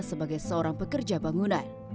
sebagai seorang pekerja bangunan